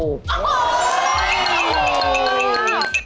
โอ้โห